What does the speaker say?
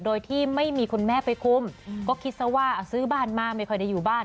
โดยที่ไม่มีคุณแม่ไปคุมก็คิดซะว่าซื้อบ้านมาไม่ค่อยได้อยู่บ้าน